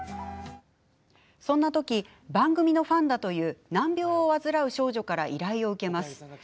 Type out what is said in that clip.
そんなとき番組のファンだという難病を患う少女から依頼を受けます。